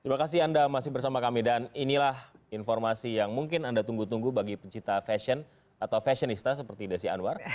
terima kasih anda masih bersama kami dan inilah informasi yang mungkin anda tunggu tunggu bagi pencipta fashion atau fashion ista seperti desi anwar